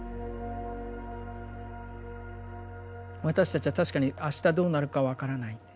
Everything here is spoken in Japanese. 私たちは確かにあしたどうなるか分からない。